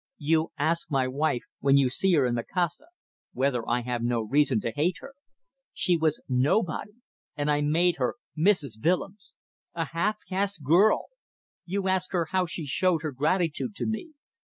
"You ask my wife, when you see her in Macassar, whether I have no reason to hate her. She was nobody, and I made her Mrs. Willems. A half caste girl! You ask her how she showed her gratitude to me.